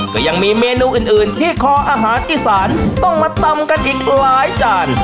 ก็ยังมีเมนูอื่นที่คออาหารอีสานต้องมาตำกันอีกหลายจาน